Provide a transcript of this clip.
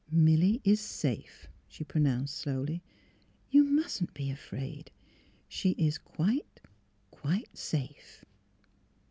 '' Milly is safe," she pronounced, slowly» *' You mustn't be afraid. She is quite — quite safe."